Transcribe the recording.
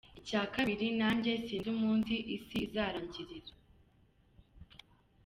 Icya kabiri nanjye sinzi umunsi Isi izarangirira